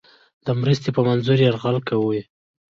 د مرستې په منظور یرغل کوي.